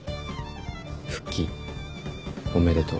復帰おめでとう。